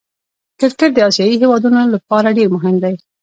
کرکټ د آسيايي هېوادو له پاره ډېر مهم دئ.